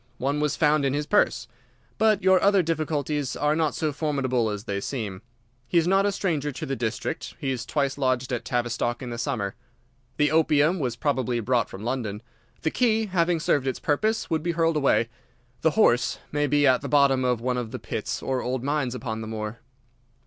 One was found in his purse. But your other difficulties are not so formidable as they seem. He is not a stranger to the district. He has twice lodged at Tavistock in the summer. The opium was probably brought from London. The key, having served its purpose, would be hurled away. The horse may be at the bottom of one of the pits or old mines upon the moor."